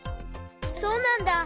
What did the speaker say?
そうなんだ。